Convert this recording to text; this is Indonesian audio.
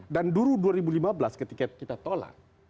dan dulu dua ribu lima belas ketika kita tolak